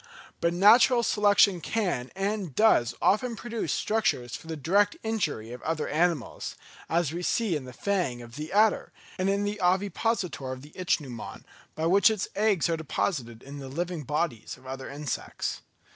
But natural selection can and does often produce structures for the direct injury of other animals, as we see in the fang of the adder, and in the ovipositor of the ichneumon, by which its eggs are deposited in the living bodies of other insects.